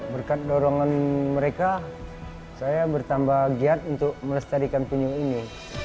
berkat dorongan mereka saya bertambah giat untuk melestarikan penyu ini